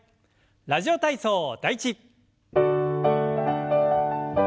「ラジオ体操第１」。